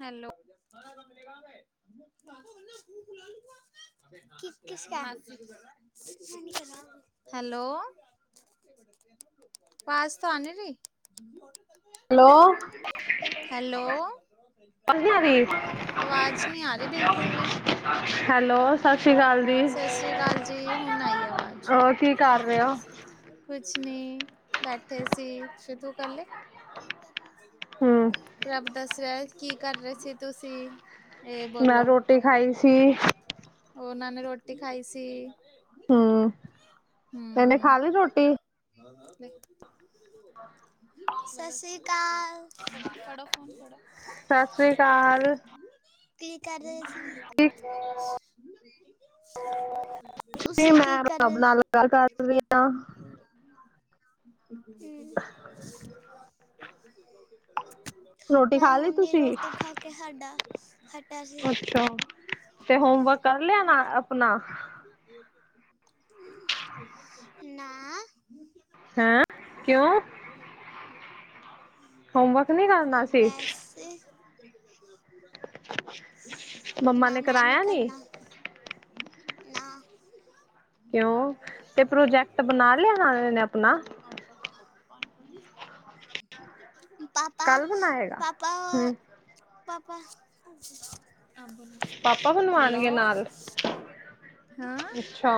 Hello. ਕਿਸ ਕਾ, hello. ਪਾਸ ਤਾਂ ਆਉਂਦੀ ਨਹੀ ਹੈਲੋ। ਆਵਾਜ਼ ਨੀ ਆ ਰਹੀ, ਆਵਾਜ਼ ਨਹੀਂ ਆ ਰਹੀ ਬਿਲਕੁਲ ਵੀ ਹੈਲੋ। ਸਤਿ ਸ਼੍ਰੀ ਅਕਾਲ ਜੀ, ਸਤਿ ਸ੍ਰੀ ਅਕਾਲ ਜੀ ਹੁਣ ਆਈ ਆਵਾਜ਼ ਹੋਰ ਕੀ ਕਰ ਰਹੇ ਔ? ਕੁਛ ਨੀ ਬੈਠੇ ਸੀ। ਸੀ਼ ਤੂੰ ਕਰ ਲੇ। ਹੂੰ। ਪ੍ਰਭ ਦੱਸ ਰਿਹਾ ਕੀ ਕਰ ਰਹੇ ਸੀ ਤੁਸੀਂ। ਇਹ ਮੈਂ ਰੋਟੀ ਖਾਈ ਸੀ। ਓਹਨਾਂ ਨੇ ਰੋਟੀ ਖਾਈ ਸੀ। ਹਮ ਇਹਨੇ ਹੂੰ। ਖਾ ਲਈ ਰੋਟੀ [unintelligible] [unintelligible] ਸਤਿ ਸ੍ਰੀ ਅਕਾਲ। ਬਸ ਫੜੋ ਫੋਨ ਫੜੋ। ਸਤਿ ਸ੍ਰੀ ਅਕਾਲ ਕੀ ਕਰ ਰਹੇ ਸੀ? ਠੀਕ ਨੀ ਤੁਸੀਂ ਮੈਂ ਕੀ ਕਰ ਪ੍ਰਭ ਨਾਲ ਗੱਲ ਕਰ ਰਹੀ ਆਂ। ਹੂੰ। ਰੋਟੀ ਖਾ ਲਈ ਤੁਸੀਂ? ਕੇ ਹਾਡਾ ਹ ਅੱਛਾ ਤੇ ਹੋਮਵਰਕ ਕਰ ਲਿਆ ਨਾ ਅਪਣਾ? ਨਾ। ਹੈਂ ਕਿਉਂ, ਹੋਮਵਰਕ ਨੀ ਕਰਨਾ ਸੀ? ਏਹ। ਮੰਮਾ ਨਾ ਨੇ ਮੈਂ ਨਹੀਂ ਕਰਾਇਆ ਨੀ। ਕਰਨਾ ਨਾ। ਕਿਉਂ, ਤੇ ਪ੍ਰੋਜੈਕਟ ਬਣਾ ਲਿਆ ਨਾ ਇਨੇ ਅਪਣਾ? [unintelligible] [unintelligible] ਪਾਪਾ, ਕੱਲ ਬਣਾਏਗਾ ਪਾਪਾ। ਹਮ ਪਾਪਾ, ਆ ਬੋਲੋ। ਪਾਪਾ ਬਣਵਾਣਗੇ ਨਾਲ। ਹਾਂ। ਅੱਛਾ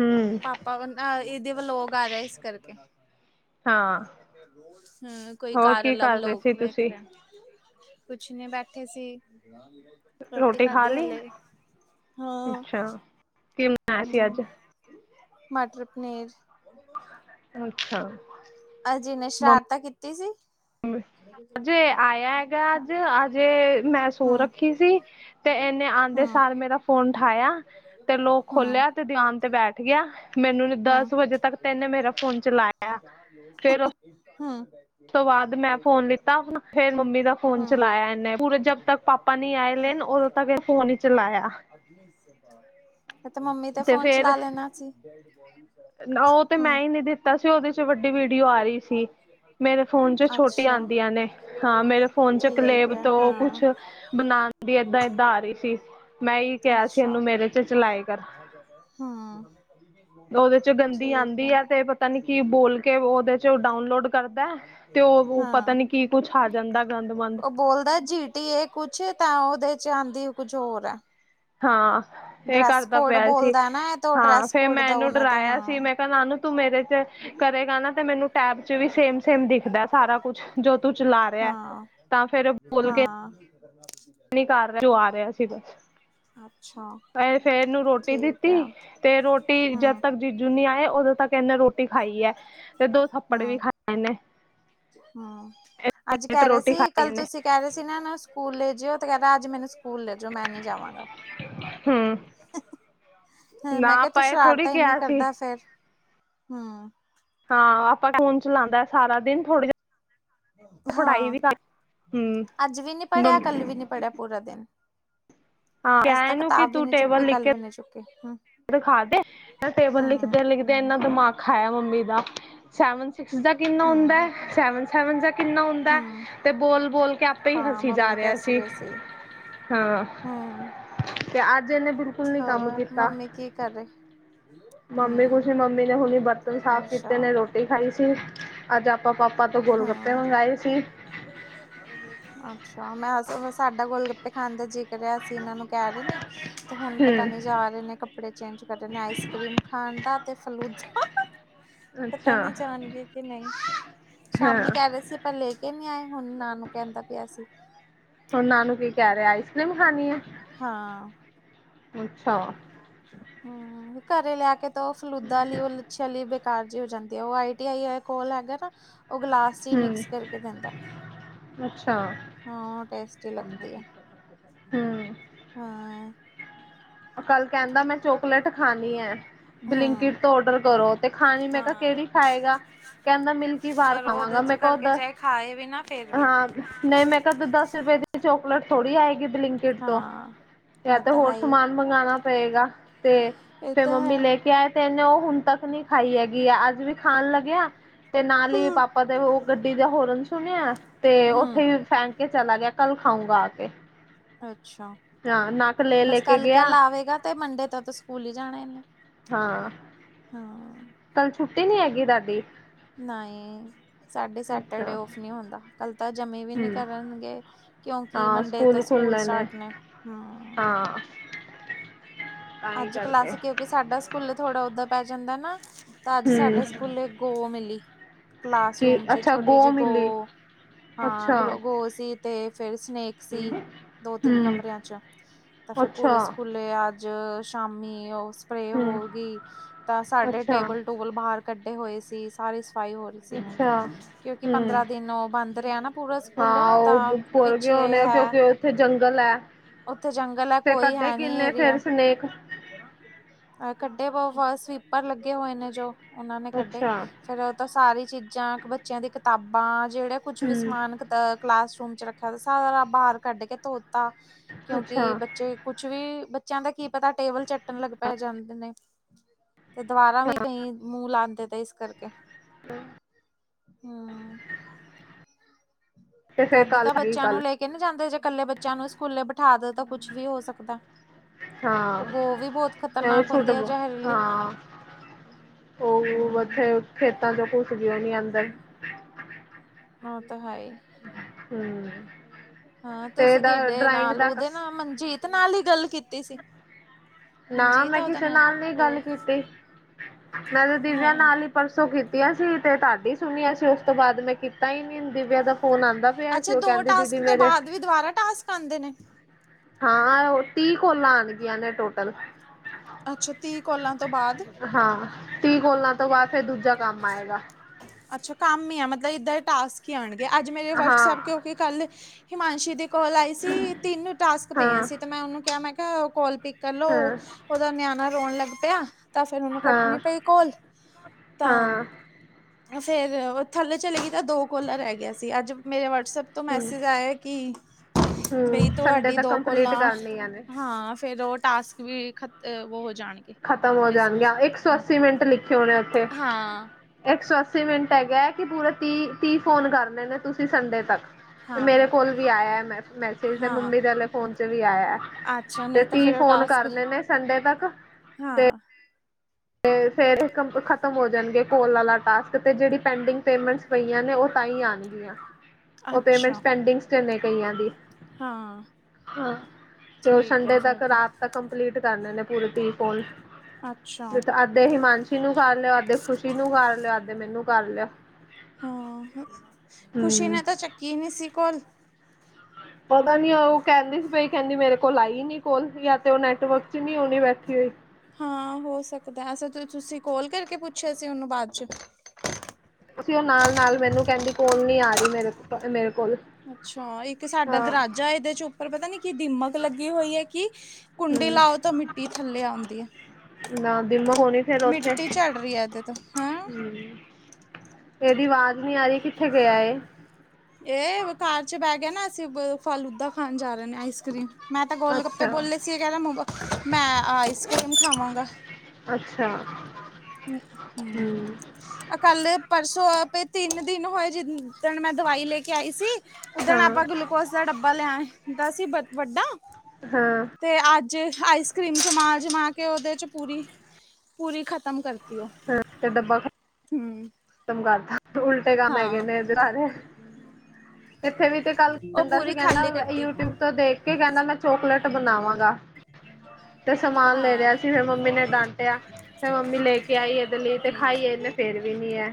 ਹੂੰ ਪਾਪਾ ਇਹਦੇ ਵਲੋਗ ਆ ਰਹੇ ਇਸ ਕਰਕੇ। ਹਾਂ ਹਮ ਕੋਈ ਹੋਰ ਕਾਰ ਕੀ ਅਲਾ ਕਰ ਰਹੇ ਸੀ ਵਲੋਗ ਵੇਖ ਤੁਸੀਂ ਰਹੇ। ਕੁਛ ਨੀ ਬੈਠੇ ਸੀ, ਰੋਟੀ ਖਾ ਖਾਦੀ ਲਈ ਹਲੇ। ਹਾਂ। ਕਿ। ਹੂੰ ਮਟਰ ਪਨੀਰ। ਅੱਛਾ। ਅੱਜ ਇਨੇ ਸ਼ਰਾਰਤਾ ਕੀਤੀ ਸੀ? ਮੰਮੀ ਅਜੇ ਆਇਆ ਹੈਗਾ, ਅੱਜ ਅਜੇ ਮੈਂ ਸੋ ਹਮ ਰੱਖੀ ਸੀ। ਤੇ ਇਹਨੇ ਆਦੇ ਹਮ ਸਾਰ ਮੇਰਾ ਫੋਨ ਉਠਾਇਆ ਤੇ ਲੋਕ ਹਮ ਖੋਲਿਆ ਤੇ ਦਿਵਾਨ ਤੇ ਬੈਠ ਮੈਨੂੰ ਹਮ ਦਸ ਵਜੇ ਤੱਕ ਤ ਇਹਨੇ ਮੇਰਾ ਫੋਨ ਚਲਾਇਆ ਫੇਰ ਹਾ ਉਸ ਤੋਂ ਬਾਅਦ ਮੈਂ ਫੋਨ ਲਿੱਤਾ ਆਪਣਾ। ਫਿਰ ਮੰਮੀ ਦਾ ਫ਼ੋਨ ਹੂੰ ਚਲਾਇਆ ਇਹਨੇ ਪੂਰੇ ਜਬ ਤੱਕ ਪਾਪਾ ਨੀ ਆਏ ਲੈਣ ਉਦੋਂ ਤੱਕ ਇਹ ਫੋਨ ਈ ਚਲਾਇਆ। ਤੇ ਮੰਮੀ ਦਾ ਤੇ ਫੋਨ ਚਲਾ ਲੈਣਾ ਸੀ। ਨਾ ਓ ਤੇ ਹੂੰ ਮੈਂ ਹੀ ਨੀ ਦਿੱਤਾ ਸੀ। ਉਹਦੇ ਚ ਵੱਡੀ ਵੀਡੀਓ ਆ ਰਈ ਸੀ ਮੇਰੇ ਫੋਨ ਚ ਛੋਟੀ ਅੱਛਾ ਆਦੀਆਂ ਨੇ, ਹਾਂ ਮੇਰੇ ਫੋਨ ਚ ਠੀਕ ਕਲੇਬ ਹੈ ਤੋਂ ਹਾਂ ਕੁਛ ਬਣਾ ਦੀ ਏਦਾਂ, ਏਦਾਂ ਆ ਰਹੀ ਸੀ ਮੈਂ ਹੀ ਕਿਹਾ ਸੀ ਇਹਨੂੰ ਮੇਰੇ ਚ ਚਲਾਏ ਕਰ। ਹਾ। ਉਹਦੇ ਚ ਗੰਦੀ ਆਉਂਦੀ ਹੈ ਤੇ ਪਤਾ ਨੀ ਕੀ ਬੋਲ ਕੇ ਉਹਦੇ ਚ ਡਾਊਨਲੋਡ ਕਰਦਾ। ਤੇ ਉਹ ਪਤਾ ਹਾਂ ਨੀ ਕੀ ਕੁੱਛ ਆ ਜਾਂਦਾ ਗੰਦ ਮੰੰਦ। ਉਹ ਬੋਲਦਾ ਜੀ ਟੀ ਇਹ ਕੁਛ ਤਾਂ ਉਹਦੇ ਚ ਆਉਂਦੀ ਕੁੱਝ ਹੋਰ ਆ। ਹਾਂ ਇਹ ਕਰਦਾ ਪਿਆ ਸੀ। ਬੋਲਦਾ ਨਾ ਇਹ ਤਾਂ ਹਾਂ, ਡਰੈਸ ਫੇਰ ਕੋਡ ਮੈਂ ਦਾ ਇਹਨੂੰ ਉਹਨਾਂ ਤੇ ਆਇਆ ਹਾਂ ਸੀ ਮੈਂ ਕਿਹਾ ਨਾਨੂ ਤੂੰ ਮੇਰੇ ਚ ਕਰੇਗਾ ਨਾ ਤੇ ਮੈਨੂੰ ਟੈਬ ਚ ਵੀ ਸੇਮ, ਸੇਮ ਦਿਖਦਾ ਸਾਰਾ ਕੁਛ ਜੋ ਤੂੰ ਚਲਾ ਰਿਹਾ। ਹਾਂ ਤਾਂ ਫੇਰ ਬੋਲ ਕੇ [unintelligible] ਨ ਕਰ ਰਿਹਾ ਜੋ ਆ ਰਿਹਾ ਸੀ ਬਸ। ਅੱਛਾ। ਫੇਰ ਇਹਨੂੰ ਰੋਟੀ ਠੀਕ ਦਿੱਤੀ ਆ ਤੇ ਰੋਟੀ ਜਦ ਹੂੰ ਤੱਕ ਜੀਜੂ ਨੀ ਆਏ ਉਦੋਂ ਤੱਕ ਤਿੰਨ ਰੋਟੀ ਖਾਈ ਆ, ਤੇ ਦੋ ਥੱਪੜ ਵੀ ਹੂੰ ਖਾ ਇਹਨੇ ਹੂੰ, ਅੱਜ ਕਹਿ ਰਹੇ ਸੀ, ਖਾਈ ਕੱਲ ਇਹਨੇ ਤੁਸੀਂ ਕਹਿ ਰਹੇ ਸੀ ਤੁਸੀਂ ਨਾ ਇਨਾ ਨੂੰ ਸਕੂਲੈ ਜਿਓ ਤੇ ਕੇਦਾ ਅੱਜ ਮੈਨੂੰ ਸਕੂਲ ਲੈਜਓ ਮੈਂ ਨੀ ਜਾਵਾਂਗਾ। ਹੂੰ। ਹੂ ਮੈਂ ਕਿਹਾ ਤੂੰ ਇਹ ਥੋੜ੍ਹੀ ਸ਼ਰਾਰਤਾ ਇਨੀ ਕਿਹਾ ਸੀ ਕਰਦਾ ਫੇਰ, ਹੂੰ। ਹਾਂ ਆਪਾਂ ਫੂਨ ਚਲਾਉਦਾ ਸਾਰਾ ਦਿਨ ਥੋੜੇ ਜਿ ਹਾਂ ਹਮ ਅੱਜ ਵੀ ਨੀ ਪੜ੍ਹਿਆ, ਕੱਲ ਵੀ ਹਾਂ ਨੀ ਪੜ੍ਹਿਆ ਪੂਰਾ ਦੇਨ ਅੱਜ ਕਿਹਾ ਤਾ ਇਹਨੂੰ ਕਿ ਕਤਾਬ ਵੀ ਨੀ ਚੁੱਕੀ ਕਾੱਲ ਵੀ ਨੀ ਚੁੱਕੀ ਹੂੰ ਖਾ ਦੇ ਟੇਬਲ ਹੂੰ ਲਿਖਦੇ- ਲਿਖਦੇ ਇੰਨਾ ਦਿਮਾਗ ਖਾਇਆ ਮੰਮੀ ਦਾ ਸੈਵਨ ਸਿਕਸ ਦਾ ਦਿਨ ਹੁੰਦਾ ਹੂੰ ਹੈ। ਸੈਵਨ- ਸੈਵਨ ਦਾ ਕਿੰਨਾ ਹੁੰਦਾ ਹੂੰ ਤੇ ਬੋਲ-ਬੋਲ ਕੇ ਆਪੇ ਈ ਹਾਂ ਹਸੀ ਜਾ ਮੰਮੀ ਰੇਆ ਦੱਸ ਸੀ। ਰਹੇ ਹਾਂ ਹੂੰ, ਤੇ ਅੱਜ ਇਹਨੇ ਬਿਲਕੁਲ ਨੀ ਕੰਮ ਹੋਰ ਕੀਤਾ ਮੰਮੀ ਕੀ ਕਰ ਰਹੇ-। ਮੰਮੀ ਪੁਛ ਮੰਮੀ ਨੇ। ਹੁਣੀ ਬਰਤਨ ਸਾਫ਼ ਅੱਛਾ ਕੀਤੇ ਨੇ। ਰੋਟੀ ਤੇ ਹਾਂਜੀ, ਆੱਜ ਆਪਾ ਪਾਪਾ ਤੋ ਗੋਲਗੱਪੇ ਮੰਗਾਏ ਸੀ। ਹਾਂ [inaudible] ਅੱਛਾ, ਮੈਂ ਸਾਡਾ ਗੋਲ ਗੱਪੇ ਖਾਂ ਦਾ ਜੀ ਕਰਆ ਸੀਂ ਅਸੀਂ ਇਹਨਾਂ ਨੂੰ ਕਹਿ ਰਹੇ ਨੇ, ਤੇ ਹੁਣ ਪਤਾ ਨੀ, ਹਮ ਜਾ ਰਹੇ ਨੇ ਕੱਪੜੇ ਚੇਂਜ ਕਰ ਰ ਨੇ, ਆਈਸ ਕਰ੍ਰੀਮ ਖਾਣ ਦਾ, ਤੇ ਫਲੂਦਾ ਪਤਾ ਅੱਛਾ ਨੀ ਜਾਣਗੇ ਕਿ ਨਹੀਂ, ਹਾਂ ਸ਼ਾਮੀ ਕਹਿ ਰਹੇ ਸੀ ਪਰ ਲੈ ਕੇ ਨਹੀਂ ਆਏ ਹੁਣ ਨ ਨੂੰ ਕਹਿੰਦਾ ਪਿਆ ਸੀ। ਉਹਨਾਂ ਨੂੰ ਕੀ ਕਹਿ ਰਿਹਾ ਆਈਸ ਕਰੀਮ ਖਾਣੀ ਹੈ। ਹਾਂ- ਅਛਾ- ਹਮ, ਘਰੇ ਲਿਆ ਕੇ ਦਿੳ ਫਲੂਦਾ ਲੳ ਲਛਾ ਵਾਲੀ ਤਾਜੀ ਹੋ ਜਾਂਦੀ ਆ, ਉਹ ਆਈਟੀ ਆਈ ਕੋਲ ਹੈਗਾ ਨਾ ਉਹ ਗਲਾਸ ਚ ਮਿਕਸ ਕਰਕੇ ਦਿਦਾ। ਅਛਾ ਟੇਸਟੀ ਹੂੰ ਲੱਗਦੀ ਹੈ - ਹਾਂ- ਕਲ ਕਹਿਦਾ ਮੈਂ ਚੋਕਲੇਟ ਖਾਣੀ ਹੈ। ਹਾਂ ਬਲਿੰਕਿਟ ਤੋਂ ਡਰ ਕਰੋ ਤੇ ਖਾਣੀ ਮੈਂ ਕਿਹਾ ਹਾਂ ਕਿਹੜੀ ਖਾਏਗਾ। ਕਹਿਦਾ ਮਿਲਕੀ ਬਾਹਰ ਖਾਵਾਂਗਾ ਮੈਂ ਕਿਹਾ ਓਦਾਂ ਵੀਨਾ ਫੇਰ ਵੀ- ਨਹੀ ਮੈਂ ਕਿਹਾ ਦਸ ਰੁਪਏ ਦੀ ਚੋਕਲੇਟ ਥੋੜ੍ਹੀ ਆਏਗੀ ਬਿਲਿੰਕਟ ਤੋਂ ਹਾਂ ਜਾਂ ਇਹ ਤੇ ਤਾਂ ਹੈ ਹੋਰ ਹੀ ਮੰਗਵਾਉਣਾ ਪਏਗਾ ਤੇ ਇਹ ਫੇਰ ਤਾਂ ਮੰਮੀ ਹੈ ਲੈ ਕੇ ਆਏ ਏਨੇ ਉਹ ਹੁਣ ਤਕ ਨਹੀ ਖਾਈ ਹੈਗੀ ਆ ਅਜ ਵੀ ਖਾਣ ਲਗਿਆ ਤੇ ਨਾਲ ਹੀ ਹੂੰ ਪਾਪਾ ਦੇ ਉਹ ਗੱਡੀ ਦਾ ਹੋਰਨ ਸੁਣਿਆ ਤੇ ਹੂੰ ਉਥੇ ਹੀ ਫਨੱਕ ਚਲਾ ਗਿਆ ਕਲ ਖਾਊਂਗਾ ਆ ਕੇ ਅਛਾ ਹਾਂ ਨੱਕ ਲੈ ਬਸ ਲੈ ਕੇ ਕਲ ਕਲ ਗਿਆ ਆਵੇਗਾ ਤੇ ਮੰਡੇ ਤੋਂ ਤਾਂ ਸਕੂਲ ਹੀ ਜਾਣਾ ਇਨੇ ਹਾਂ- ਹਾਂ- ਕਲ ਛੁੱਟੀ ਨਹੀ ਹੈਗੀ ਇਨਾਂ ਦੀ ਨਹੀਂ ਸਾਡੇ ਸੈਟਰਡੇ ਅੱਛਾ ਔਫ ਨਹੀ ਹੁਦਾ ਕਲ ਤਾਂ ਜਮੇ ਵੀ ਨਹੀ ਹਮ ਕਰਨਗੇ। ਕਿਉਕਿ ਮੰਡੇ ਤਾਂ ਸਕੂਲ ਸਟਾਟ ਨੇ ਹੂੰ - ਹਾਂ- ਤਾਂ ਹੀ ਅਜ ਕਰਕੇ ਕਲਾਸ ਕਿਉਕਿ ਸਾਡਾ ਸਕੂਲ ਥੋੜਾ ਓਦਾ ਪੈ ਜਾਦਾ ਨਾ ਤਾਂ ਅਜ ਸਾਡੇ ਹਮ ਸਕੂਲ ਗੋ ਮਿਲੀ ਕੀ ਕਲਾਸਰੂਮ 'ਚ ਅੱਛਾ ਛੋਟੀ ਗੋ ਜਿਹੀ ਗੌ। ਮਿਲੀ ਹਾਂ ਅੱਛਾ ਗਲੋ ਗੋ ਸੀ। ਤੇ ਫੇਰ ਸਨੇਕ ਸੀ ਦੋ ਤਿਨ ਹਮ ਕਮਰਿਆਂ 'ਚ ਤੇ ਫੇਰ ਅੱਛਾ ਪੂਰੇ ਸਕੂਲ ਅਜ ਸ਼ਾਮੀ ਉਹ ਸਪਰੇੇ ਹਮ ਹੋ ਗਈ ਤਾਂ ਸਾਡੇ ਅੱਛਾ ਟੇਬਲ ਟੂਬਲ ਬਾਹਰ ਕਢੇ ਹੋਏ ਸੀ ਸਾਰੀ ਸਫਾਈ ਹੋ ਰਹੀ। ਅੱਛਾ ਕਿਉਕਿ ਹਮ ਪੰਦਰਾਂ ਦਿਨ ਉਹ ਬਦ ਰਿਹਾ ਨਾ ਪੂਰਾ ਸਕੂਲ ਹਾਂ ਤਾਂ ਪਿਛੇ ਹੈ। ਉਥੇ ਜੰਗਲ ਹੈ। ਉੱਥੇ ਜੰਗਲ ਹੈ ਤੇ ਕੱਢੇ ਕਿਨੇ ਫਿਰ ਸਨੇਕ ਕਢੇ ਬਹੁ ਬ ਸਵੀਪਰ ਲਗੇ ਹੋਏ ਨੇ ਜੋ ਉਹਨਾ ਨੇ ਕਢੇ ਅੱਛਾ ਫੇਰ ਉਹ ਤਾਂ ਸਾਰੀ ਚੀਜ਼ਾ ਬੱਚਿਆਂ ਦੀ ਕਿਤਾਬਾ ਜਿਹੜੇ ਕੁਛ ਵੀ ਹਮ ਸਮਾਨ ਕਲਾਸਰੂਮ 'ਚ ਰਖਿਆ ਤੇ ਸਾਰਾ ਬਾਹਰ ਕਢ ਕੇ ਧੋਤਾ ਅੱਛਾ ਕਿਉਕਿ ਬੱਚੇ ਕੁਛ ਵੀ ਬੱਚਿਆਂ ਦਾ ਕੀ ਪਤਾ ਟੇਬਲ ਚਟਣ ਲਗ ਪੈ ਜਾਦੇ ਨੇ ਤੇ ਦੁਵਾਰਾ ਵੀ ਹਾਂ ਕਈ ਮੂੰਹ ਲਾਉਦੇ ਤੇ ਇਸ ਕਰਕੇ ਹਮ [unintelligible] ਹਾਂ- ਤੇ ਫੇਰ ਤਦ ਕੱਲ ਤਾਂ ਬੱਚਿਆਂ ਨੂੰ ਕੱਲ ਲੈ ਕੇ- ਕਹਿਦੇ ਜਾਦੇ ਜੇ ਇਕਲੇ ਬੱਚਿਆਂ ਨੂੰ ਸਕੂਲੇ ਬਿਠਾ ਦ ਤਾਂ ਕੁਛ ਵੀ ਹੋ ਸਕਦਾ ਹਾਂ ਉਹ ਗੋ ਵੀ ਬਹੁਤ ਖ਼ਤਰਨਾਕ ਹੁਦੀ ਹੈ। ਜ਼ਹਿਰੀਲੀ। ਉਹਥੇ ਹੂੰ ਖੇਤਾਂ ਚੋ ਘੁਸ ਜਓਦੇ ਨੇ ਅੰਦਰ ਉ ਤਾਂ ਹੈ। ਹਮ ਹਾਂ ਤੇ ਤੁਸੀ ਇਹਦਾ ਕਿਡੇ ਡਰਾਇੰਗ ਨਾਲ ਦਾ ਉਹਦੇ ਨਾਲ ਮਨਜੀਤ ਨਾਲ ਹੀ ਗੱਲ ਕੀਤੀ ਸੀ। ਨਾ ਮਨਜੀਤ ਮੈਂ। ਆ ਉਹਦਾ ਕਿਸੇ ਨਾਲ ਨੀ ਗੱਲ ਉਹ ਕੀਤੀ ਮੈ ਤੇ ਦੀਵਿਆਂ ਹਾਂ ਨਾਲ ਹੀ ਪਰਸੋਂ ਕੀਤੀਆਂ ਸੀ ਤੇ ਤੁਾਡੀ ਸੁਣੀਆਂ ਸੀ ਉਸ ਤੋਂ ਬਾਅਦ ਮੈਂ ਕੀਤਾ ਹੀ ਨੀ ਦਿਵਿਆ ਦਾ ਫੋਨ ਆਉਦਾ ਪਿਆ ਸੀ ਅੱਛਾ ਉਹ ਦੋ ਕਹਿਦੇ ਦੀਦੀ ਟਾਸਕ ਤੋਂ ਮੇਰੇ ਬਾਅਦ ਵੀ ਦੁਬਾਰਾ ਟਾਸ ਆਉਦੇ ਨੇ ਹਾਂ ਉਹ ਤੀਹ ਕੋਲਾ ਆਉਣਗੀਆਂ ਨੇ ਟੋਟਲ ਅੱਛਾ, ਤੇ ਕੋਲਾਂ ਤੋਂ ਬਾਦ ਹਾਂ, ਤੀਹ ਕੋਲਾਂ ਤੋਂ ਬਾਅਦ ਫੇਰ ਦੂਜਾ ਕੰਮ ਆਏਗਾ। ਅੱਛਾ ਕੰਮ ਹੀ ਆ, ਮਤਲਬ ਇੱਦਾਂ ਦੇ ਟਾਸਕ ਹੀ ਆਉਣਗੇ। ਅੱਜ ਮੇਰੇ ਹਾਂ ਵਟਸਐਪ ਕਿਉਂਕਿ ਕੱਲ ਹਿਮਾਂਸ਼ੀ ਦੀ ਕੋਲ ਆਈ ਸੀ, ਤਿੰਨ ਟਾਸਕ ਪਏ ਏ ਹਾਂ ਸੀ। ਤੇ ਮੈਂ ਉਹਨੂੰ ਕਿਹਾ ਮੈਂ ਕਿਹਾ ਕੋਲ ਪਿੱਕ ਕਰ ਲੋ, ਹਾਂ ਉਹਦਾ ਨਿਆਣਾ ਰੋਣ ਲੱਗ ਪਿਆ। ਤਾਂ ਫੇਰ ਉਹਨੂੰ ਕੱਟਣੀ ਹਾਂ ਪਈ ਕੋਲ, ਤਾਂ ਹਾਂ ਫੇਰ ਥੱਲੇ ਚਲੇ ਗਈ ਤਾਂ ਦੋ ਕੋਲਾ ਰਹਿ ਗਈਆਂ ਸੀ। ਅੱਜ ਮੇਰੇ ਵਟਸਐਪ ਤੋਂ ਹਮ ਮੈਸੇਜ ਆਇਆ ਕਿ ਬਈ ਹਮ ਸੰਡੇ ਤੁਹਾਡੀ ਤੱਕ ਦੋ ਕੰਪਲੀਟ ਕੋਲਾਂ, ਕਰਨੀਆਂ ਨੇ ਹਾਂ ਫੇਰ ਉਹ ਟਾਸਕ ਵੀ [unintelligible] ਉਹ ਹੋ ਜਾਣਗੇ। ਖ਼ਤਮ ਹੋ ਜਾਣਗੀ, ਡਿਸਮਿਸ ਆਂ ਇੱਕ ਸੌ ਹਾਂ ਅੱਸੀ ਮਿੰਟ ਲਿਖੇ ਹੋਏ ਨੇ ਉੱਥੇ। ਹਾਂ ਇੱਕ ਸੌ ਅੱਸੀ ਮਿੰਟ ਹੈਗੈ ਕਿ ਪੂਰੇ ਤੀ- ਤੀ ਫੋਨ ਕਰਨੇ ਨੇ ਤੁਸੀਂ ਸੰਡੇ ਤੱਕ। ਹਾਂ ਮੇਰੇ ਕੋਲ ਵੀ ਆਇਆ ਮੈਸ -ਮੈਸੇਜ ਤੇ ਹਾਂ ਮੰਮੀ ਦੇ ਅਲੇ ਫੋਨ ਚ ਵੀ ਆਇਆ। ਅੱਛਾ ਤੇ ਨਹੀਂ ਤਾਂ ਤੀਹ ਫੇਰ ਉਹ ਫੋਨ ਟਾਸਕ ਕਰਨੇ ਨੇ ਸੰਡੇ ਤੱਕ। ਹਾਂ ਤੇ ਫੇਰ ਇਹ ਕੰਮ ਖ਼ਤਮ ਹੋ ਜਾਣਗੇ ਕੋਲ ਆਲਾ ਟਾਸਕ ਤੇ ਜਿਹੜੀ ਪੈਂਡਿੰਗ ਪੇਮੈਂਟਸ ਪਈਆਂ ਨੇ ਉਹ ਤਾਈਂ ਆਣਗ ਗੀਆਂ, ਉਹ ਪੇਮੈਂਟਸ ਅੱਛਾ ਪੈਂਡਿੰਗਸ ਚ ਨੇ ਕਈਆਂ ਦੀ। ਹਾਂ ਹਾਂ, ਤੇ ਉਹ ਠੀਕ ਹੈ ਸੰਡੇ ਫਿਰ ਤੱਕ, ਤਾਂ ਰਾਤ ਤੱਕ ਕਪਲੀਟ ਕਰਨੇ ਨੇ ਪੂਰੇ ਤੀਹ ਕੋਲ। ਅੱਛਾ ਅੱਧੇ ਹਿਮਾਂਸ਼ੀ ਨੂੰ ਕਰ ਲਿਓ, ਅੱਧੇ ਖੁਸ਼ੀ ਨੂੰ ਕਰ ਲਿਓ, ਅੱਧੇ ਮੈਨੂੰ ਕਰ ਲਿਓ। ਹਾਂ, ਖੁਸ਼ੀ ਹਮ ਨੇ ਤੇ ਚੱਕੀ ਨਹੀਂ ਸੀ ਕੋਲ। ਪਤਾ ਨੀ ਉਹ ਕਹਿੰਦੀ ਸੀ ਬਈ ਕਹਿੰਦੀ ਮੇਰੇ ਕੋਲ ਆਈ ਨੀ ਕੋਲ, ਯਾਂ ਤੇ ਉਹ ਨੈਟਵਰਕ ਚ ਨੀ ਹੋਣੀ ਬੈਠੀ ਹੋਈ। ਹਾਂ, ਹੋ ਸਕਦੈ। ਅੱਛਾ ਤੇ ਤੁਸੀਂ ਕੋਲ ਕਰਕੇ ਪੁੱਛਿਆ ਸੀ ਉਹਨੂੰ ਬਾਅਦ ਚੋਂ ਅਸੀਂ ਉਹ ਨਾਲ- ਨਾਲ ਮੈਨੂੰ ਕਹਿੰਦੀ, ਕੋਲ ਨੀ ਆ ਰੀ ਮੇਰੇ ਕੋ, ਮੇਰੇ ਕੋਲ। ਅੱਛਾ, ਇੱਕ ਸਾਡਾ ਹਾਂ ਦਰਵਾਜਾ ਏ ਇਹਦੇ ਚ ਉੱਪਰ ਪਤਾ ਨੀ ਕੀ ਦੀਮਕ ਲੱਗੀ ਹੋਈ ਹੈ ਕਿ ਕੁੰਡੀ ਹਮ ਲਾਓ ਤਾਂ ਮਿੱਟੀ ਥੱਲੇ ਆਉਂਦੀ ਏ। ਨਾ ਦਿਮਕ ਹੋਣੀ ਫੇਰ ਉੱਥੇ ਮਿੱਟੀ ਝੜ ਰਹੀ ਏ ਇਹਦੇ ਤੋਂ, ਹੈਂ। ਇਹਦੀ ਆਵਾਜ਼ ਨਹੀਂ ਆ ਰਹੀ, ਕਿੱਥੇ ਗਿਆ ਏ? ਏ, ਕਾਰ ਚ ਬੈ ਕੇ ਨਾ ਅਸੀਂ ਬ ਫਾਲੂਦਾ ਖਾਣ ਜਾ ਰਹੇ ਨੇ ਆਈਸ ਕਰ੍ਰੀਮ। ਮੈਂ ਤਾਂ ਗੋਲ ਗੱਪੇ ਅੱਛਾ ਬੋਲੇ ਸੀ, ਏ ਕਹਿੰ ਰਿਹਾ ਮਮਾ ਮੈਂ ਆਈਸ ਕ੍ਰੀਮ ਖਾਵਾਂਗਾ। ਅੱਛਾ ਹੰ, ਹਮ ਅ ਕੱਲ-ਪਰਸੋਂ ਅ ਪੇ ਤਿੰਨ ਦਿਨ ਹੋਏ ਜਿਨ ਦਣ ਮੈਂ ਦਵਾਈ ਲੈ ਕੇ ਆਈ ਸੀ, ਉਧਣ ਹਾਂ ਆਪਾਂ ਗਲੂਕੋਸ ਦਾ ਡੱਬਾ ਲੈ ਆਏ। ਦਾ ਸੀ ਬਦ ਵੱਡਾ। ਹੰ ਤੇ ਅੱਜ ਆਈਸ ਕ੍ਰੀਮ ਜਮਾ-ਜਮਾ ਕੇ ਉਹਦੇ 'ਚ ਪੂਰੀ- ਪੂਰੀ ਖਤ ਖਤਮ ਕਰਤੀ ਓ। ਹਾਂ ਤੇ ਡੱਬਾ ਹੂੰ ਖਤਮ ਕਰਧਾ। ਉਲਟੇ ਕੰਮ ਹੈਗੇ ਨੇ ਐਦੇ ਸਾਰੇ। ਇੱਥੇ ਵੀ ਤੇ ਕੱਲ ਉਹ ਕਹਿੰਦਾ ਸੀ, ਪੂਰੀ ਖਾਲੀ ਕਹਿੰਦਾ ਕਰਤੀ ਯੂਟਿਊਬ ਤੋਂ ਦੇਖ ਕੇ ਕਹਿੰਦਾ ਮੈਂ ਚੋਕਲੇਟ ਬਣਾਵਾਂਗਾ। [unintelligible] ਤੇ ਸਮਾਨ ਲੈ ਹਾਂ ਰਿਹਾ ਸੀ, ਫਿਰ ਮੰਮੀ ਨੇ ਡਾਂਟਿਆ। ਤੇ ਮੰਮੀ ਲੈ ਕੇ ਆਈ ਇਹਦੇ ਲਈ, ਤੇ ਖਾਈਏ ਇਹਨੇ ਫੇਰ ਵੀ ਨੀ ਐ।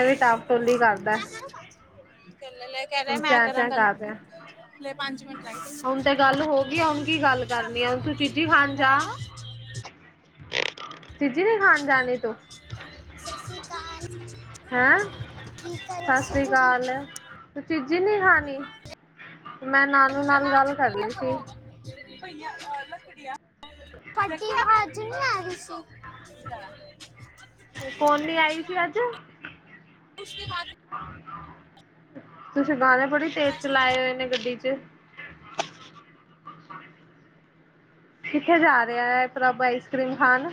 ਐਵੇਂ ਟਾਪ ਟੋਲੀ ਕਰਦਾ ਹੰ। [inaudible] ਹੁਣ ਚੈਂ-ਚੈਂ ਕਰ ਰਿਐ। ਮਿੰਟ ਲੱਗ ਹੁਣ ਪਏ ਤੇ ਗੱਲ ਹੋ ਗਈ, ਹੁਣ ਕੀ ਗੱਲ ਕਰਨੀ ਆ। ਹੁਣ ਤੂੰ ਚੀਜੀ ਖਾਣ ਹੈਲੋ ਜਾ। ਚਿਜੀ ਨੀ ਖਾਣ ਜਾਣੀ ਤੂੰ? ਸਸੀਕਾਲ ਹੈਂ, ਸਾਸ੍ਰੀਕਾਲ। ਤੂੰ ਚੀਜੀ ਨਹੀਂ ਖਾਣੀ? ਮੈਂ ਨਾਨੂ ਨਾਲ ਗੱਲ ਕਰ ਰਹੀ ਸੀ। [unintelligible] [inaudible] [unintelligible] ਅੱਜ ਨਾ ਰੀ ਸੀ। ਕੌਣ ਨੀ ਆਈ ਸੀ ਅੱਜ? ਉਸ ਕੇ ਬਾਦ ਤੁਸੀ ਗਾਣੇ ਬੜੀ ਤੇਜ਼ ਚਲਾਏ ਹੋਏ ਨੇ ਗੱਡੀ ਚ'। ਕਿੱਥੇ ਜਾ ਰਿਹਾ ਐ ਪ੍ਰਭ ਆਈਸ-ਕਰੀਮ ਖਾਣ?